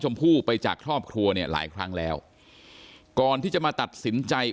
พ่ไปจากครอบครัวเนี่ยหลายครั้งแล้วก่อนที่จะมาตัดสินใจ